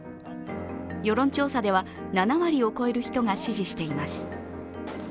世論調査では７割を超える人が支持しています。